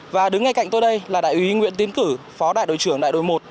và đứng ngay cạnh tôi đây là đại úy nguyễn tiến cử phó đại đội trưởng đại đội một